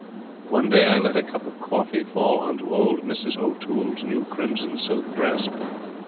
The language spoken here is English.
One day I let a cup of coffee fall on to old Mrs. O'Toole's new crimson silk dress.